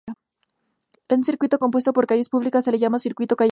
Un circuito compuesto por calles públicas se le llama circuito callejero.